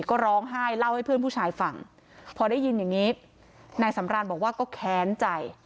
ก็ร้องไห้เล่าให้เพื่อนผู้ชายฟังพอได้ยินอย่างนี้นายสำรานบอกว่าก็แค้นใจ